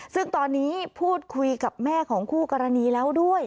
ซึ่งตอนนี้พูดคุยกับแม่ของคู่กรณีแล้วด้วย